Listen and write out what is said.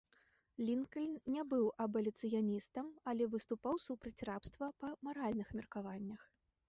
Лінкальн не быў абаліцыяністам, але выступаў супраць рабства па маральных меркаваннях.